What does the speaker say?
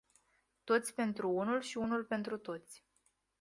Toți pentru unul și unul pentru toți.